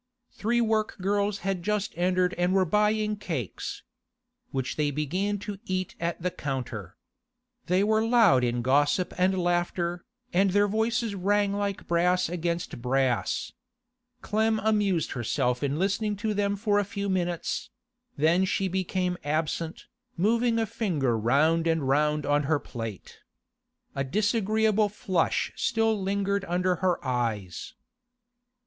Three work girls had just entered and were buying cakes, which they began to eat at the counter. They were loud in gossip and laughter, and their voices rang like brass against brass. Clem amused herself in listening to them for a few minutes; then she became absent, moving a finger round and round on her plate. A disagreeable flush still lingered under her eyes.